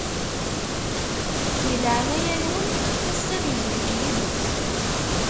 Di leɛnaya-nwen, fket-as-tt ad izweǧ yid-s.